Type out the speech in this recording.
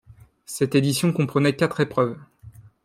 Cette édition comprenait quatre épreuves.